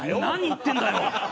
何言ってるんだよ。